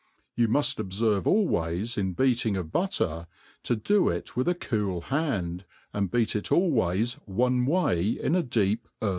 You muft obiSyye always, in b.eatipg.of butter, 40 do ^it w;th a cQoI ]iaa(9, ai^d beat it ;ilways 9ne way in a deep je4r.